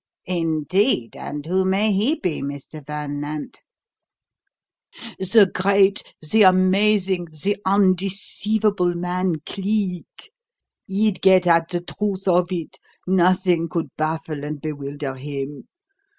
"Indeed? And who may he be, Mr. Van Nant?" "The great, the amazing, the undeceivable man, Cleek. He'd get at the truth of it. Nothing could baffle and bewilder him.